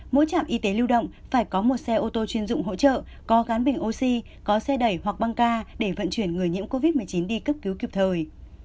mỗi trạm y tế lưu động phải có một xe ô tô chuyên dụng hỗ trợ có gắn bình oxy có xe đẩy hoặc băng ca để vận chuyển người nhiễm covid một mươi chín đi cấp cứu kịp thời